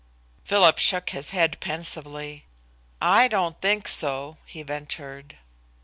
Philip shook his head pensively. "I don't think so," he ventured.